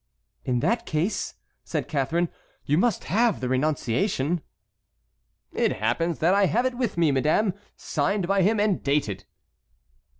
"In that case," said Catharine, "you must have the renunciation." "It happens that I have it with me, madame, signed by him and dated."